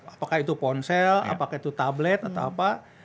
apakah itu ponsel apakah itu tablet atau apa